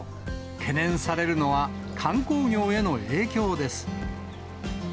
懸念されるのは、観光業への影響です。